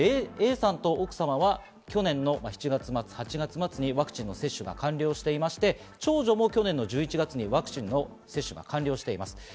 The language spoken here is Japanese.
Ａさんと奥様は去年の７月末、８月末にワクチンの接種が完了していまして、長女も去年１１月にワクチンの接種が完了しています。